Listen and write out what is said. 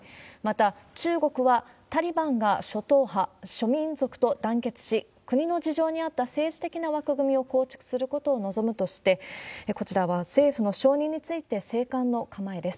また中国はタリバンが諸党派、諸民族と団結し、国の事情に合った政治的な枠組みを構築することを望むとして、こちらは政府の承認について静観の構えです。